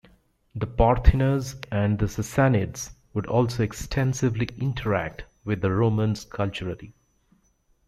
The Parthians and the Sassanids would also extensively interact with the Romans culturally.